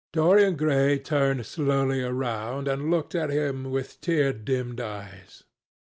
Dorian Gray turned slowly around and looked at him with tear dimmed eyes.